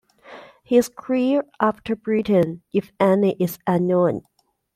His career after Britain, if any, is unknown.